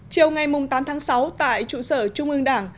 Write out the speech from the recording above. chiều ngày tám tháng sáu tại trụ sở trung ương đảng